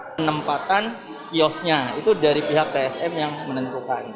penempatan kiosnya itu dari pihak tsm yang menentukan